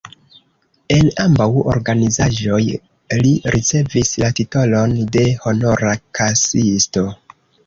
En ambaŭ organizaĵoj li ricevis la titolon de Honora Kasisto.